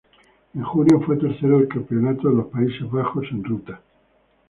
En junio fue tercero del Campeonato de los Países Bajos en Ruta.